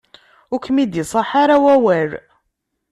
Ur kem-id-iṣaḥ ara wawal.